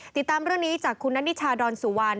ติดตามเรื่องนี้จากคุณนัทนิชาดอนสุวรรณ